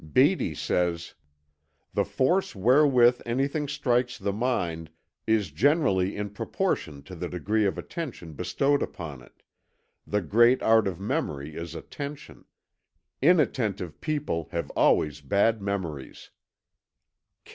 Beattie says: "The force wherewith anything strikes the mind is generally in proportion to the degree of attention bestowed upon it. The great art of memory is attention.... Inattentive people have always bad memories."